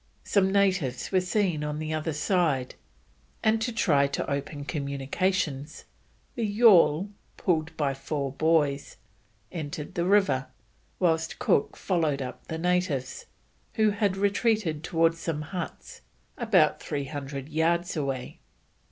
Some natives were seen on the other side, and, to try to open communications, the yawl, pulled by four boys, entered the river, whilst Cook followed up the natives, who had retreated towards some huts about 300 yards away.